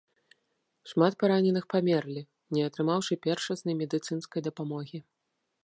Шмат параненых памерлі, не атрымаўшы першаснай медыцынскай дапамогі.